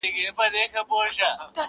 راغزولي دي خیرن لاسونه٫